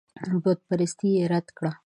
بتپرستي یې رد کړه.